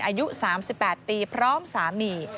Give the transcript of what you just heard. อายุ๓๘ปีพร้อมสามี